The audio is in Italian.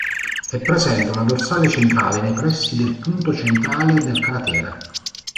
È presente una dorsale centrale nei pressi del punto centrale del cratere.